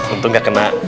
untung gak kena